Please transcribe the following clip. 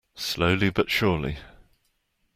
Slowly but surely.